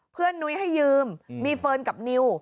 นุ้ยให้ยืมมีเฟิร์นกับนิว